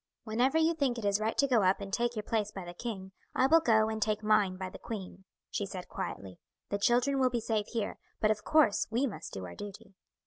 "Whenever you think it is right to go up and take your place by the king I will go and take mine by the queen," she said quietly. "The children will be safe here; but of course we must do our duty."